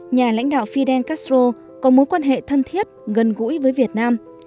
nhà lãnh đạo fidel castro có mối quan hệ thân thiết gần gũi với việt nam